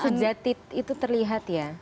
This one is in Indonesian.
sejati itu terlihat ya